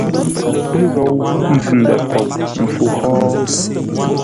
Pə́ ghou nzʉ-ndə̂ fou mpfu hó?